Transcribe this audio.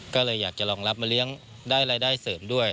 ก็เลยอยากจะรองรับมาเลี้ยงได้รายได้เสริมด้วย